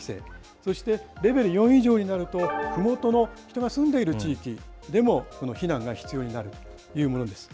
そしてレベル４以上になると、ふもとの人が住んでいる地域でも避難が必要になるというものです。